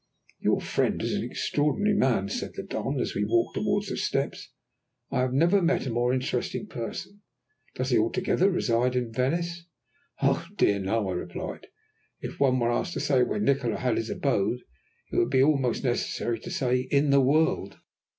"Your friend is an extraordinary man," said the Don as we walked towards the steps. "I have never met a more interesting person. Does he altogether reside in Venice?" "Oh dear, no," I replied. "If one were asked to say where Nikola had his abode it would be almost necessary to say 'in the world.'